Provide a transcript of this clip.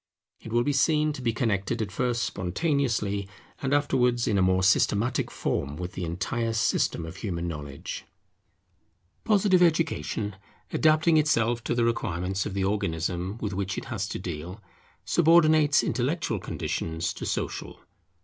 It will be seen to be connected at first spontaneously, and afterwards in a more systematic form, with the entire system of human knowledge. Positive Education, adapting itself to the requirements of the Organism with which it has to deal, subordinates intellectual conditions to social.